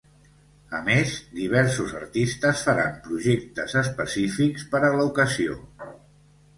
A més, diversos artistes faran projectes específics per a l’ocasió.